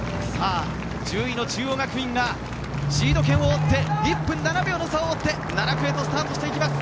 １０位の中央学院がシード圏を追って１分７秒の差を追って７区へとスタートしていきます。